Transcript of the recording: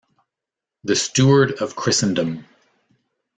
The Steward of Christendom.